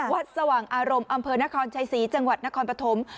สว่างอารมณ์อำเภอนครชัยศรีจังหวัดนครปฐม